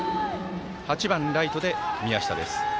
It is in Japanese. ８番、ライトで宮下です。